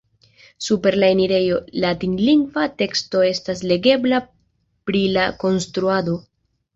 Super la enirejo latinlingva teksto estas legebla pri la konstruado.